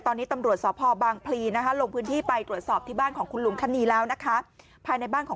ตอนนี้ตำรวจสอบพปบางพลีลงพื้นที่ไปตรวจสอบที่บ้านของคุณลุงคันนีแล้วนะคะ